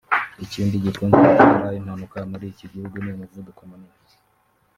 Ikindi gikunze gutera impanuka muri icyo gihugu ni umuvuduko munini